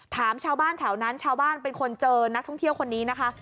ถามชาวบ้านแถวนั้นชาวบ้านเป็นคนเจอนักท่องเที่ยวคนนี้นะคะ